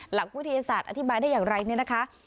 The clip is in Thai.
หลักวิทยาศาสตร์อธิบายได้อย่างไรเนี่ยนะคะ